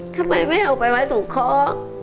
ทำไมไม่เอาไปไว้ถูกเคาะ